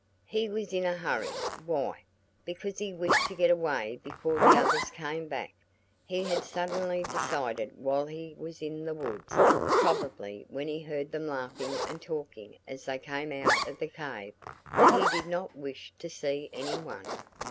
"He was in a hurry why? Because he wished to get away before the others came back. He had suddenly decided while he was in the woods probably when he heard them laughing and talking as they came out of the cave that he did not wish to see anyone.